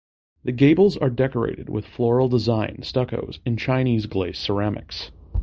The gables are decorated with floral design stuccos and Chinese glazed ceramics.